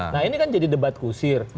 nah ini kan jadi debat kusir